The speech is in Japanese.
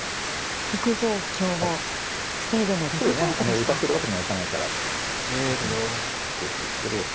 打たせるわけにはいかないから先に６五歩ですけど。